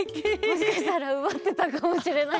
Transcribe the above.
もしかしたらうばってたかもしれない。